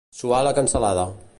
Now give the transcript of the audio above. Suar la cansalada.